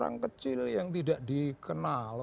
orang kecil yang tidak dikenal